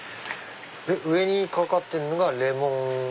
上にかかってるのがレモン。